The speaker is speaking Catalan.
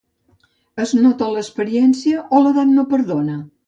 Es nota l'experiència o l'edat no perdona?